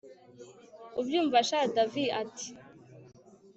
ubyumva sha david ati